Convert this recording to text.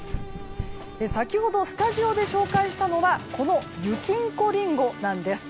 先ほどスタジオで紹介したのがこの、雪んこりんごなんです。